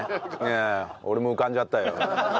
俺も浮かんじゃったよ。